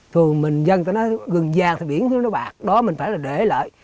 thường mình dân chúng ta nói rừng vàng thì biển thương thì bạc đó mình phải để lại